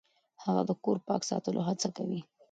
هغه د کور پاک ساتلو هڅه کوي.